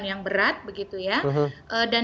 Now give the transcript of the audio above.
yang berat dan